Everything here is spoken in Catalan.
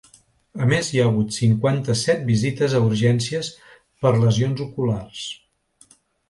A més hi ha hagut cinquanta-set visites a urgències per lesions oculars.